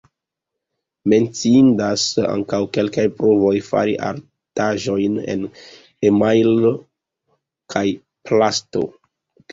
Menciindas ankaŭ kelkaj provoj fari artaĵojn en emajlo kaj plasto.